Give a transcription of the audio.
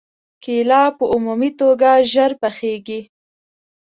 کېله په عمومي توګه ژر پخېږي.